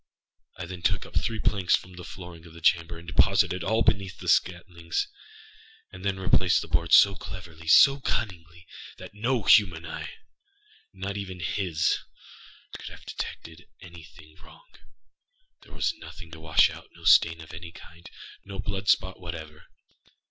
I then took up three planks from the flooring of the chamber, and deposited all between the scantlings. I then replaced the boards so cleverly, so cunningly, that no human eyeânot even hisâcould have detected any thing wrong. There was nothing to wash outâno stain of any kindâno blood spot whatever.